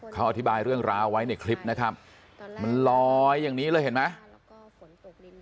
เขาอธิบายเรื่องราวไว้ในคลิปนะครับมันลอยอย่างนี้เลยเห็นไหม